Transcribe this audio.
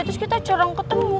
terus kita jarang ketemu